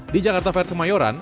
di jakarta fair kemayoran